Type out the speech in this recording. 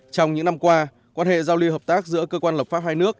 trong những năm qua quan hệ giao lưu hợp tác giữa cơ quan lập pháp hai nước